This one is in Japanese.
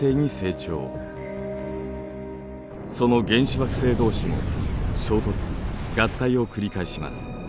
その原始惑星同士も衝突合体を繰り返します。